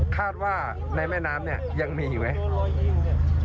คาดว่าในแม่น้ำเนี่ยยังมีอยู่ไหม